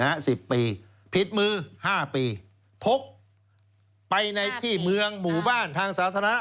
สิบปีผิดมือห้าปีพกไปในที่เมืองหมู่บ้านทางสาธารณะ